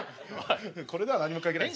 これでは何も書けないです。